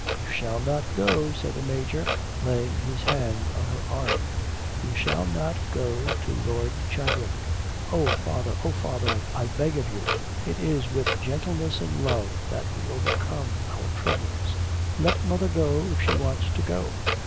'You shall not go,' said the Major, laying his hand on her arm. 'You shall not go to Lord Chadwick.' 'Oh, father; oh, father, I beg of you.... It is with gentleness and love that we overcome our troubles. Let mother go if she wants to go.'